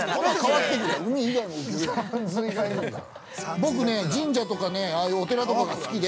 僕ね、神社とかねああいうお寺とかが好きで。